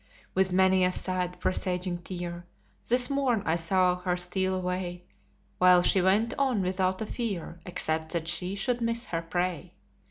With many a sad, presaging tear, This morn I saw her steal away, While she went on without a fear, Except that she should miss her prey.